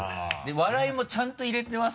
笑いもちゃんと入れてます